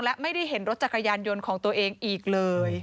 และไม่ได้เห็นรถจักรยานยนต์ของตัวเองอีกเลย